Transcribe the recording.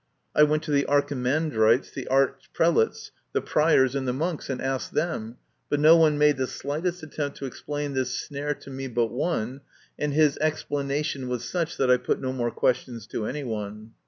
I went to the Archimandrites, the Archprelates, the Priors, and the Monks, and asked them, but no one made the slightest attempt to explain this snare to me but one, and his explanation was such that I put no more questions to any one.